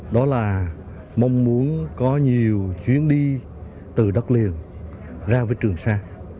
đó là mong muốn có nhiều chuyến đi từ đất liền ra với trường sa